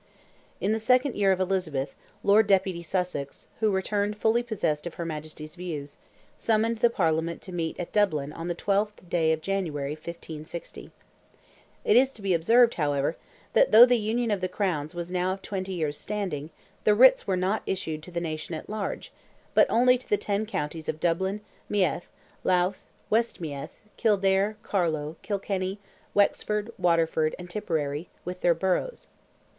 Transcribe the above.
In the second year of Elizabeth, Lord Deputy Sussex, who returned fully possessed of her Majesty's views, summoned the Parliament to meet in Dublin on the 12th day of January, 1560. It is to be observed, however, that though the union of the crowns was now of twenty years' standing, the writs were not issued to the nation at large, but only to the ten counties of Dublin, Meath, Louth, West Meath, Kildare, Carlow, Kilkenny, Wexford, Waterford, and Tipperary, with their boroughs.